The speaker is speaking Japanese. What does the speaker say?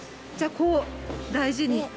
じゃあこう大事に。